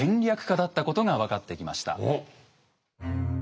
家だったことが分かってきました。